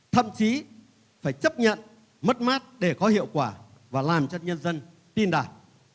thậm chí phải chấp nhận mất mát để có hiệu quả và làm cho nhân dân tin đạt